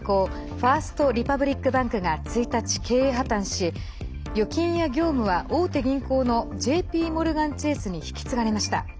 ファースト・リパブリック・バンクが１日経営破綻し、預金や業務は大手銀行のＪＰモルガン・チェースに引き継がれました。